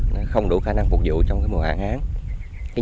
nó không đủ khả năng phục vụ trong mùa hạn hán